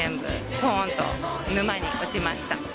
ぽーんと沼に落ちました。